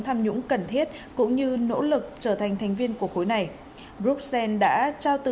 tham nhũng cần thiết cũng như nỗ lực trở thành thành viên của khối này bruxelles đã trao từ